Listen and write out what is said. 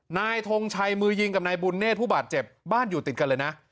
นายทงชัยมือยิงกับนายบุญเนธผู้บาดเจ็บบ้านอยู่ติดกันเลยนะ